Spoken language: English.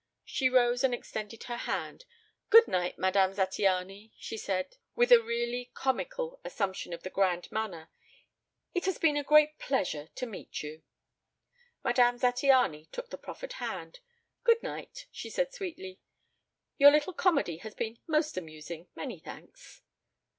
She rose and extended her hand. "Good night, Madame Zattiany," she said with a really comical assumption of the grand manner. "It has been a great pleasure to meet you." Madame Zattiany took the proffered hand. "Good night," she said sweetly. "Your little comedy has been most amusing. Many thanks."